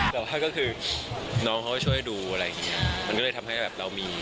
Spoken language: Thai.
แต่ว่าก็คือน้องเขาก็ช่วยดูอะไรอย่างเงี้ยมันก็เลยทำให้แบบเรามี